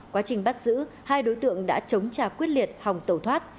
quá trình bắt giữ hai đối tượng đã chống trả quyết liệt hòng tẩu thoát